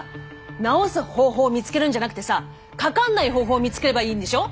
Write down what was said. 治す方法を見つけるんじゃなくてさ「かかんない」方法を見つければいいんでしょ。